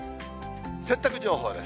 洗濯情報です。